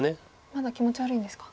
まだ気持ち悪いんですか。